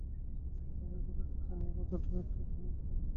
ফাঁদ আমিও কতকটা জানিয়া এবং কতকটা না জানিয়া পাতিয়াছি।